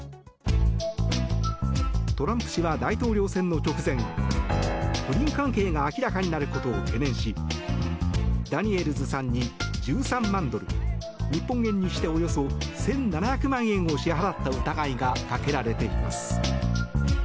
トランプ氏は大統領選の直前不倫関係が明らかになることを懸念しダニエルズさんに１３万ドル日本円にしておよそ１７００万円を支払った疑いがかけられています。